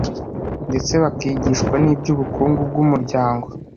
ndetse bakigishwa n’iby’ubukungu bw’umuryango